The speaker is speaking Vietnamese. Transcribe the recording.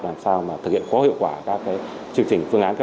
làm sao mà thực hiện có hiệu quả các chương trình phương án